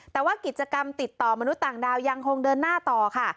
แต่ว่ากิจกรรมติดต่อมนุษย์ต่างดาวยังคงเดินหน้าต่อค่ะ